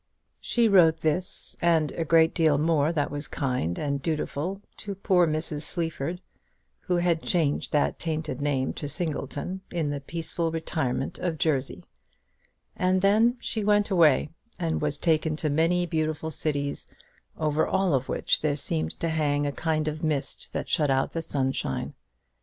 She wrote this, and a good deal more that was kind and dutiful, to poor Mrs. Sleaford, who had changed that tainted name to Singleton, in the peaceful retirement of Jersey; and then she went away, and was taken to many beautiful cities, over all of which there seemed to hang a kind of mist that shut out the sunshine.